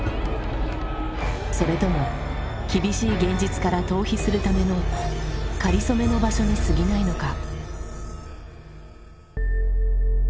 それとも厳しい現実から逃避するためのかりそめの場所にすぎないのか。